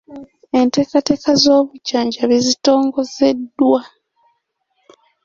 Enteekateeka z'obujjanjabi zitongozeddwa.